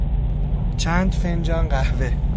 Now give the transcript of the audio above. چند فنجان قهوه